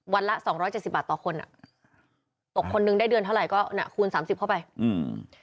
ละสองร้อยเจ็ดสิบบาทต่อคนอ่ะตกคนนึงได้เดือนเท่าไหร่ก็น่ะคูณสามสิบเข้าไปอืม